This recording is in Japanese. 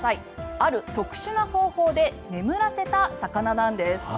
ある特殊な方法で眠らせた魚なんです。